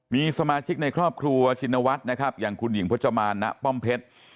มีสมาชิกในครอบครัวชินวัฒน์นะครับอย่างคุณหญิงพจมานณป้อมเพชร